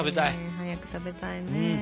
早く食べたいね。